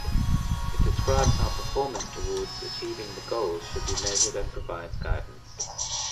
It describes how performance towards achieving the goals should be measured and provides guidance.